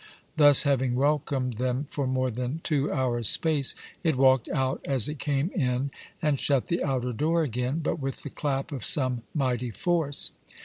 Thus having welcomed them for more than two hours' space, it walkt out as it came in, and shut the outer door again, but with the clap of some mightie force.